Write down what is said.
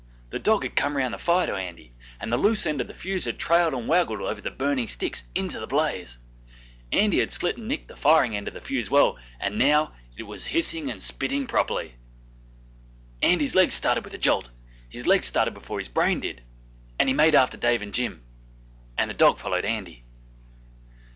The dog had come round the fire to Andy, and the loose end of the fuse had trailed and waggled over the burning sticks into the blaze; Andy had slit and nicked the firing end of the fuse well, and now it was hissing and spitting properly. Andy's legs started with a jolt; his legs started before his brain did, and he made after Dave and Jim. And the dog followed Andy.